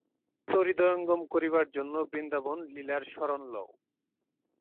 ভক্তিতত্ত্ব হৃদয়ঙ্গম করিবার জন্য বৃন্দাবন-লীলার শরণ লও।